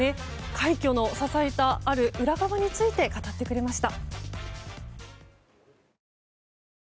快挙を支えた、ある裏側について語ってくれました。